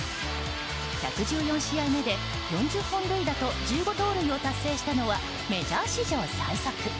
１１４試合目で４０本塁打と１５盗塁を達成したのはメジャー史上最速。